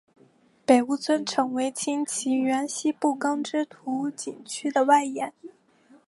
北坞村成为清漪园西部耕织图景区的外延。